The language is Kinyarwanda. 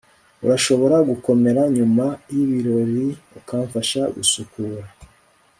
urashobora gukomera nyuma yibirori ukamfasha gusukura